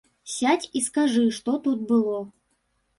Сядзь і скажы, што тут было.